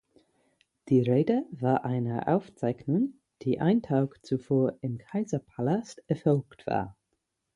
Die Rede war eine Aufzeichnung, die ein Tag zuvor im Kaiserpalast erfolgt war.